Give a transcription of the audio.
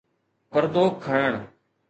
پردو کڻڻ